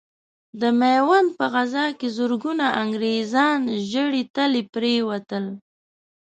د ميوند په غزا کې زرګونه انګرېزان ژړې تلې پرې وتل.